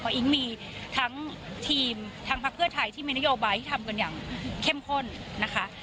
อิ๊งมีทั้งทีมทั้งพักเพื่อไทยที่มีนโยบายที่ทำกันอย่างเข้มข้นนะคะ